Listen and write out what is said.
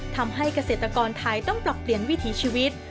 ทำให้เกษตรกรไทยต้องปรับเปลี่ยนวิถีชีวิต